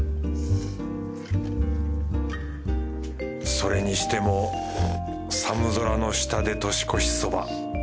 それにしても寒空の下で年越しそば。